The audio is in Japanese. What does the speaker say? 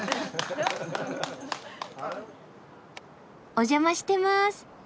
お邪魔してます。